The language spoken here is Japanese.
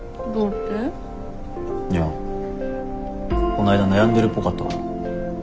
いやこないだ悩んでるっぽかったから。